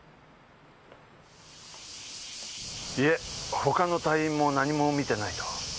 いえ他の隊員も何も見てないと。